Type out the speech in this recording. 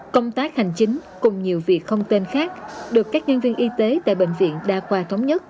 công tác hành chính cùng nhiều việc không tên khác được các nhân viên y tế tại bệnh viện đa khoa thống nhất